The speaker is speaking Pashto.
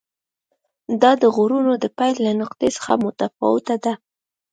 دا د غرونو د پیل له نقطې څخه متفاوته ده.